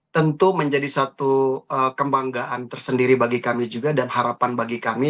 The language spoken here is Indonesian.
tentu menjadi satu kebanggaan tersendiri bagi kami juga dan harapan bagi kami